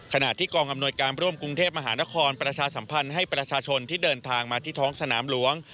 ขณะที่กองอำนวยการร่วมกรุงเทพมหานครประชาสัมพันธ์ให้ประชาชนที่เดินทางมาที่ท้องสนามหลวง